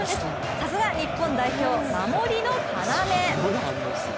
さすが日本代表、守りの要。